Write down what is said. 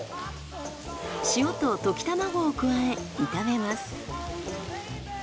塩と溶き卵を加え炒めます。